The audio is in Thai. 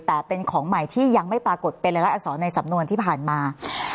แต่เป็นของใหม่ที่ยังไม่ปรากฏเป็นรายละอักษรในสำนวนที่ผ่านมา